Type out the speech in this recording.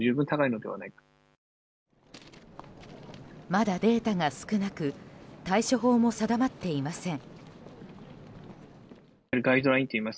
まだデータが少なく対処法も定まっていません。